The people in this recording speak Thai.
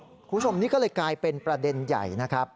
คุณผู้ชมนี่ก็เลยกลายเป็นประเด็นใหญ่นะครับ